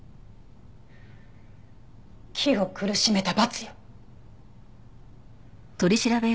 木を苦しめた罰よ！